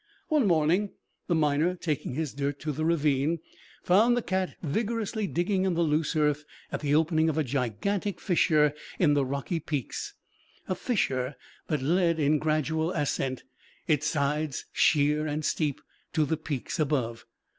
One morning the miner, taking his dirt to the ravine, found the cat vigorously digging in the loose earth at the opening of a gigantic fissure in the rocky peaks, a fissure that led in gradual ascent, its sides sheer and steep, to the peaks above.